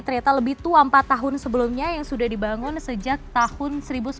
ternyata lebih tua empat tahun sebelumnya yang sudah dibangun sejak tahun seribu sembilan ratus sembilan puluh